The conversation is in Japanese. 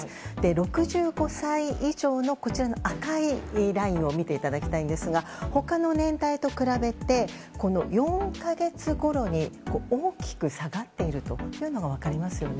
６５歳以上の赤いラインを見ていただきたいんですが他の年代と比べて、４か月ごろに大きく下がっているというのが分かりますよね。